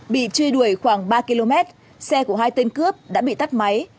bị truy đuổi khoảng ba km xe của hai tên cướp đã bị tắt máy